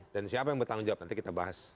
dan siapa yang bertanggung jawab nanti kita bahas